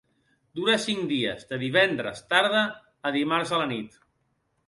Dura cinc dies, de divendres tarda al dimarts a la nit.